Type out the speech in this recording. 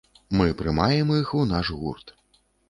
Мы прымаем іх у наш гурт.